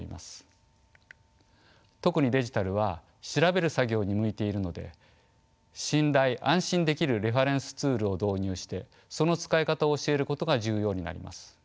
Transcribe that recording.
特にデジタルは調べる作業に向いているので信頼安心できるレファレンスツールを導入してその使い方を教えることが重要になります。